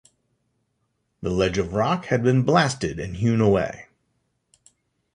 The ledge of rock had been blasted and hewn away.